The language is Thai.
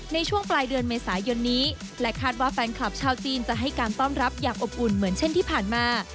ในช่วงปลายเดือนเมษายนนี้และคาดว่าแฟนคลับชาวจีนจะให้การต้อนรับอย่างอบอุ่นเหมือนเช่นที่ผ่านมา